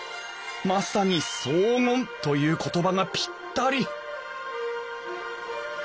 まさに荘厳という言葉がピッタリ！